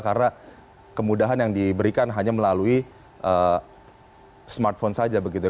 karena kemudahan yang diberikan hanya melalui smartphone saja begitu ya